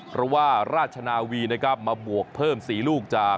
เพราะว่าราชนาวีนะครับมาบวกเพิ่ม๔ลูกจาก